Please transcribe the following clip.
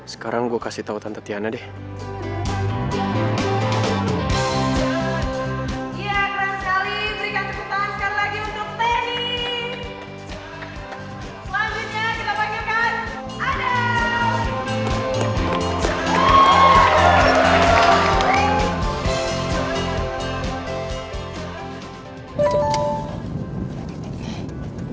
selanjutnya kita panggilkan adam